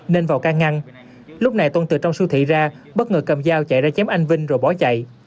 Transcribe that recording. nên vào can ngăn lúc này tôn từ trong siêu thị ra bất ngờ cầm dao chạy ra chém anh vinh rồi bỏ chạy